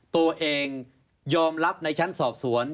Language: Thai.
ตัวเองยอมรับในชั้นสอบสวน